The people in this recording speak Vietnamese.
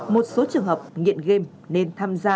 một số trường hợp nghiện game nên tham gia